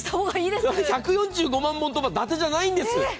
１４５万本とか、だてじゃないんです。